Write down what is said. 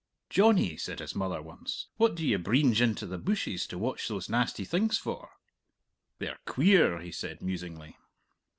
"Johnny," said his mother once, "what do you breenge into the bushes to watch those nasty things for?" "They're queer," he said musingly.